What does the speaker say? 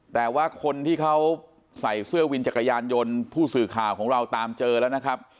แต่ว่าคนที่เขาใส่เสื้อวินจักรยานยนต์ผู้สื่อข่าวของเราตามเจอแล้วนะครับ